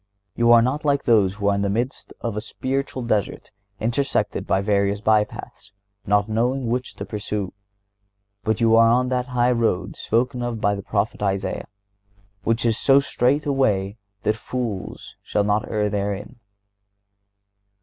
You are not like those who are in the midst of a spiritual desert intersected by various by paths, not knowing which to pursue; but you are on that high road spoken of by the prophet Isaiah, which is so "straight a way that fools shall not err therein."